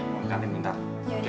mau ikan tim minta oke